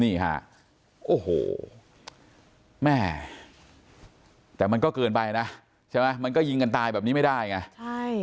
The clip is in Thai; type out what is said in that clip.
นี่ฮะโอ้โหแม่แต่มันก็เกินไปนะใช่ไหมมันก็ยิงกันตายแบบนี้ไม่ได้ไงใช่